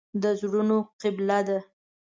د زړونو قبله ده.